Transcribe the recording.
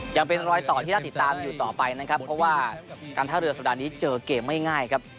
ยังเป็นรอยต่อที่น่าติดตามอยู่ต่อไปนะครับเพราะว่าการท่าเรือสัปดาห์นี้เจอเกมไม่ง่ายครับ